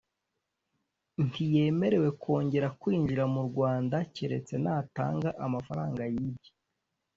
ntiyemerewe kongera kwinjira mu rwanda keretse natanga amafaranga yibye